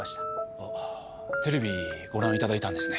あっテレビご覧いただいたんですね。